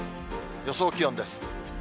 予想気温です。